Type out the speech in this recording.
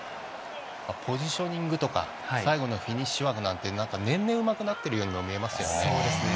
ポジショニングとか最後のフィニッシュワークなんて年々うまくなっているように思いますよね。